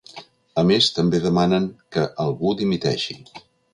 A més, també demanen que ‘algú dimiteixi’.